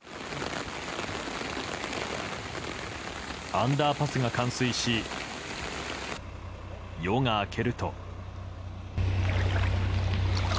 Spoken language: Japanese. アンダーパスが冠水し夜が明けると。